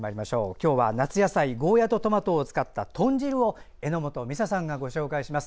今日は夏野菜ゴーヤーとトマトを使った豚汁を榎本美沙さんがご紹介します。